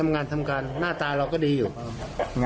เราทำไปเพื่ออะไร๖โรงเรียน